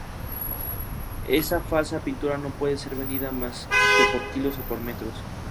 Esa falsa pintura no puede ser vendida más que por kilos o por metros"".